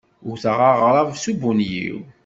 Wten aɣrab s ubunyiw.